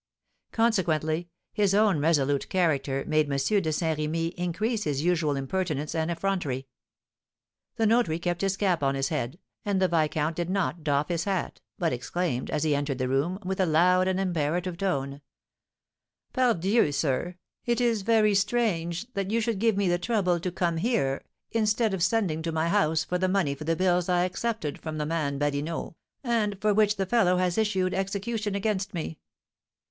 Consequently, his own resolute character made M. de Saint Remy increase his usual impertinence and effrontery. The notary kept his cap on his head, and the viscount did not doff his hat, but exclaimed, as he entered the room, with a loud and imperative tone: "Pardieu, sir! it is very strange that you should give me the trouble to come here, instead of sending to my house for the money for the bills I accepted from the man Badinot, and for which the fellow has issued execution against me.